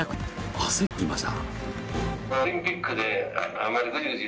焦っていました。